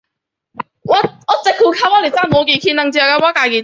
金山寺舍利塔的历史年代为元代。